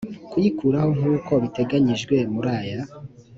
kuyikuraho nk uko biteganyijwe muri aya